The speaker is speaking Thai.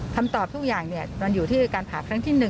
คำตอบทุกอย่างมันอยู่ที่การผ่าครั้งที่๑